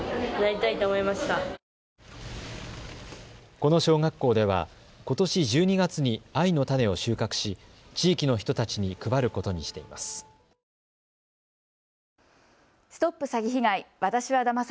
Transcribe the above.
この小学校では、ことし１２月に藍の種を収穫し地域の人たちに配ることにしています。